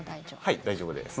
はい、大丈夫です。